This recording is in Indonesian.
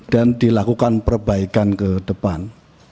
dan dilakukan perbaikan ke depan